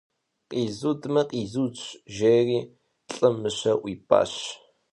Къизудмэ, къизудщ, - жери лӏым мыщэр ӏуипӏащ.